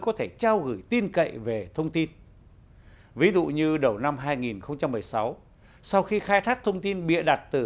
có thể trao gửi tin cậy về thông tin ví dụ như đầu năm hai nghìn một mươi sáu sau khi khai thác thông tin bịa đặt từ